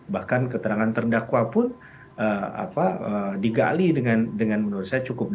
bahkan keterangan terdakwa pun digali dengan menurut saya cukup